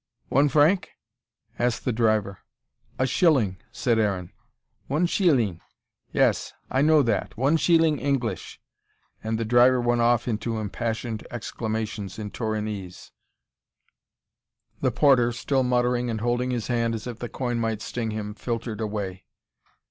One franc?" asked the driver. "A shilling," said Aaron. "One sheeling. Yes. I know that. One sheeling English" and the driver went off into impassioned exclamations in Torinese. The porter, still muttering and holding his hand as if the coin might sting him, filtered away.